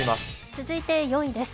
続いて４位です。